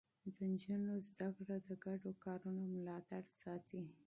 د نجونو تعليم د ګډو کارونو ملاتړ ساتي.